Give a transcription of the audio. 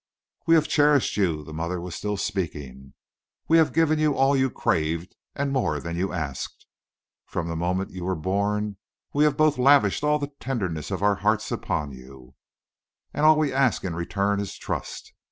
"We have cherished you." The mother was still speaking. "We have given you all you craved, and more than you asked. From the moment you were born we have both lavished all the tenderness of our hearts upon you. And all we ask in return is trust."